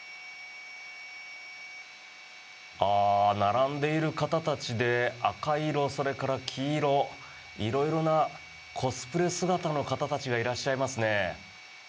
並んでいる方たちで赤色、それから黄色色々なコスプレ姿の方たちがいらっしゃいますね。